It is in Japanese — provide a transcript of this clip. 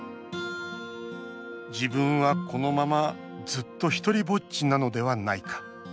自分はこのままずっとひとりぼっちなのではないか。